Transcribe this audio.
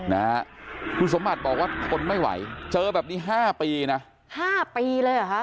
นะฮะคุณสมบัติบอกว่าทนไม่ไหวเจอแบบนี้ห้าปีนะห้าปีเลยเหรอฮะ